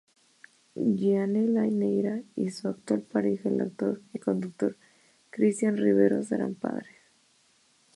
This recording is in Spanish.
Gianella Neyra y su actual pareja el actor y conductor Cristian Rivero serán padres.